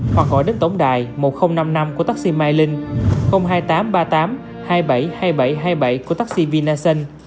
hoặc gọi đến tổng đài một nghìn năm mươi năm của taxi mai linh hai nghìn tám trăm ba mươi tám hai mươi bảy hai nghìn bảy trăm hai mươi bảy của taxi vinason